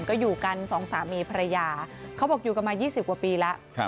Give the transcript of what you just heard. ก็อยู่กันสองสามีภรรยาเขาบอกอยู่กันมา๒๐กว่าปีแล้ว